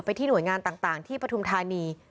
ที่หน่วยงานต่างที่ปฐุมธานี